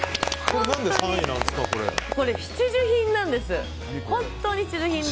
これ、本当に必需品なんです。